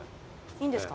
いいんですか？